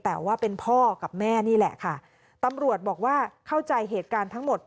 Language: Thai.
แต่ว่าเป็นพ่อกับแม่นี่แหละค่ะตำรวจบอกว่าเข้าใจเหตุการณ์ทั้งหมด